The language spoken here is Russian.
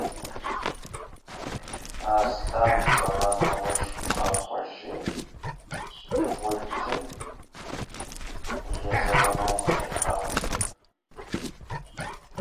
Аслан воскресает и вступает в схватку с Колдуньей